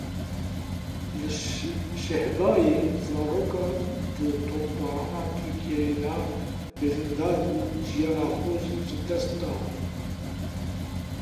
Li Şehbayê zaroka di topbarana Tirkiyeyê de birîndar bû jiyana xwe ji dest da.